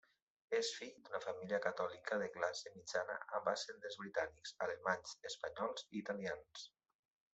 És fill d'una família catòlica de classe mitjana amb ascendents britànics, alemanys, espanyols i italians.